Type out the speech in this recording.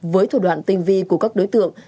với thủ đoạn tinh vi của các đối tượng